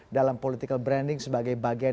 dalam political branding sebagai bagian